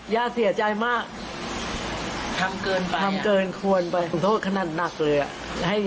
ย่าเสียใจมากทำเกินไปทำเกินควรไปโทษขนาดหนักเลยอ่ะ